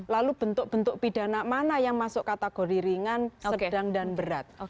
lalu bentuk bentuk pidana mana yang masuk kategori ringan sedang dan berat